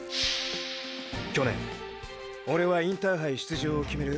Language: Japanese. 去年オレはインターハイ出場を決める